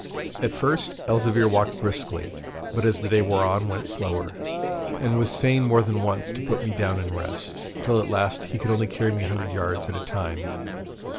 At first Elzevir walked briskly, but as the day wore on went slower, and was fain more than once to put me down and rest, till at last he could only carry me a hundred yards at a time.